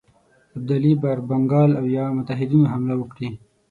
ابدالي پر بنګال او یا متحدینو حمله وکړي.